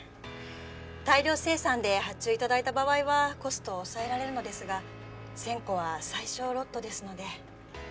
大量生産で発注いただいた場合はコストを抑えられるのですが１０００個は最小ロットですので。